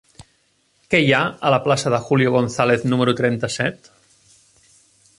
Què hi ha a la plaça de Julio González número trenta-set?